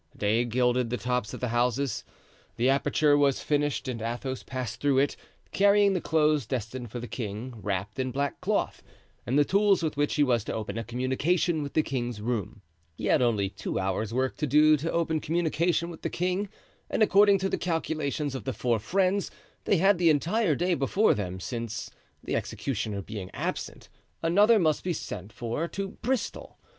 Day gilded the tops of the houses. The aperture was finished and Athos passed through it, carrying the clothes destined for the king wrapped in black cloth, and the tools with which he was to open a communication with the king's room. He had only two hours' work to do to open communication with the king and, according to the calculations of the four friends, they had the entire day before them, since, the executioner being absent, another must be sent for to Bristol.